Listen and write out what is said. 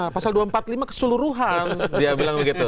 pasal dua ratus empat puluh lima keseluruhan dia bilang begitu